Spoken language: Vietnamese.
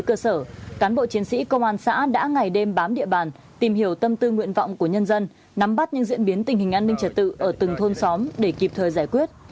công an xã đã ngày đêm bám địa bàn tìm hiểu tâm tư nguyện vọng của nhân dân nắm bắt những diễn biến tình hình an ninh trả tựa ở từng thuần xóm để kịp thời giải quyết